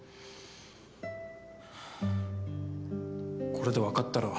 これで分かったろ